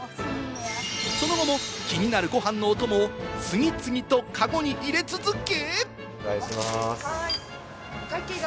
その後も気になるご飯のお供を次々とカゴに入れ続け。